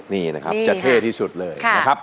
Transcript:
นี่นี่นะครับจะเท่ที่สุดเลย